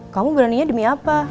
kamu beraninya demi apa